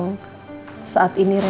tapi ada hal hal yang memang